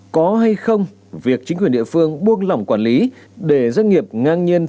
có hay không việc chính quyền địa phương buông lỏng quản lý để doanh nghiệp ngang nhiên